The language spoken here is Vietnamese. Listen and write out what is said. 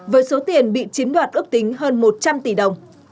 với số tiền bị chiếm đoạt ước tính hơn một trăm linh tỷ đồng